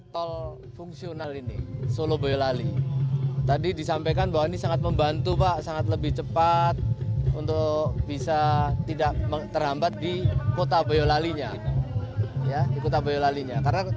tol fungsional ini solo boyolali tadi disampaikan bahwa ini sangat membantu pak sangat lebih cepat untuk bisa tidak terhambat di kota boyolalinya di kota boyolalinya